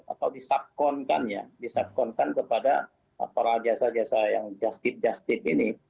atau disapkankan ya disapkankan kepada para jasa jasa yang jastip jastip ini